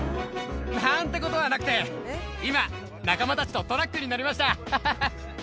なんてことはなくて今仲間たちとトラックに乗りましたハハハ。